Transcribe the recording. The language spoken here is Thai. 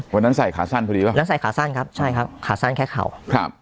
ใส่ขาสั้นพอดีป่ะแล้วใส่ขาสั้นครับใช่ครับขาสั้นแค่เข่าครับ